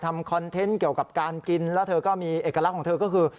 ทำคอนเทนต์เรื่องกับการกินแล้วเอกลักษณ์คือ